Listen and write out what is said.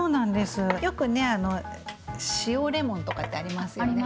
よくね塩レモンとかってありますよね？